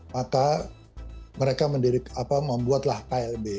maka mereka membuatlah klb